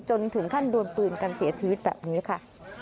จนถึงขั้นดวนปืนกันเสียชีวิตแบบนี้ค่ะ